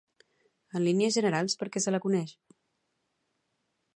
En línies generals, per què se la coneix?